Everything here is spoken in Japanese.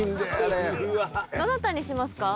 どなたにしますか？